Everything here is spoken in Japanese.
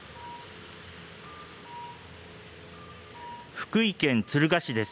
福井県敦賀市です。